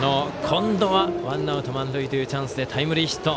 今度はワンアウト満塁というチャンスでタイムリーヒット。